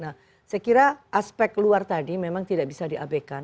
nah saya kira aspek luar tadi memang tidak bisa diabekan